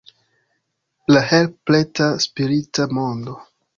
La help-preta spirita mondo.